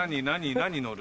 何乗る？